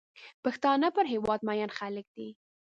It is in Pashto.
پښتانه پر هېواد مین خلک دي.